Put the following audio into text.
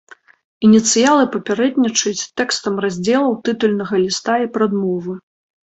Ініцыялы папярэднічаюць тэкстам раздзелаў, тытульнага ліста і прадмовы.